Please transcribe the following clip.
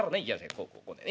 こうこうこうでね。